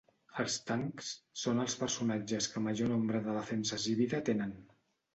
Els tancs són els personatges que major nombre de defenses i vida tenen.